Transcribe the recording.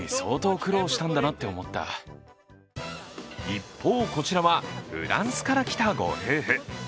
一方、こちらはフランスから来たご夫婦。